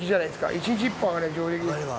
１日１本あがれば上出来です。